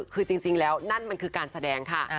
คือจริงแล้วนั่นมันคือการแสดงค่ะ